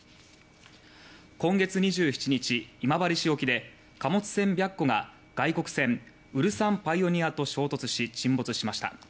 今月２７日、今治市沖で貨物船「白虎」が外国船「ウルサンパイオニア」と衝突し沈没しました。